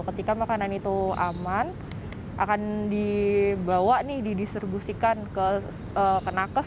ketika makanan itu aman akan dibawa nih didistribusikan ke nakes